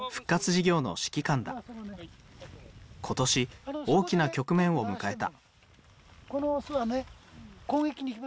今年大きな局面を迎えた。